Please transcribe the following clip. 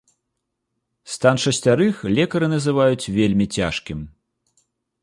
Стан шасцярых лекары называюць вельмі цяжкім.